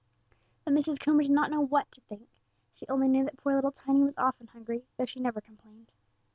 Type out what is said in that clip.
But Mrs. Coomber did not know what to think; she only knew that poor little Tiny was often hungry, although she never complained.